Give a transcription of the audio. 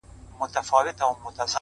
حوصله ستړې ورځې نرموي.!